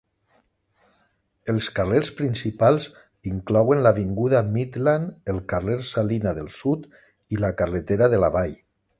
Els carrers principals inclouen l'avinguda Midland, el carrer Salina del sud i la carretera de la vall.